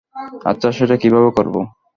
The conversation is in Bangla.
আচ্ছা, সেটা কীভাবে করবো?